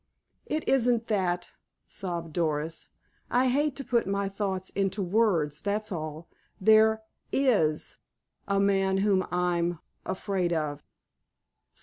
"It isn't that," sobbed Doris. "I hate to put my thoughts into words. That's all. There is a man whom I'm—afraid of."